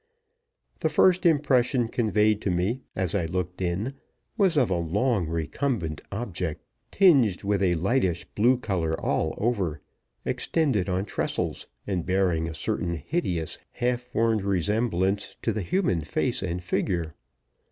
The first impression conveyed to me, as I looked in, was of a long, recumbent object, tinged with a lightish blue color all over, extended on trestles, and bearing a certain hideous, half formed resemblance to the human face and figure.